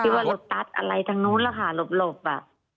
คิดว่ารถตัดอะไรทางนู้นแหละค่ะหลบหลบอ่ะอ๋อ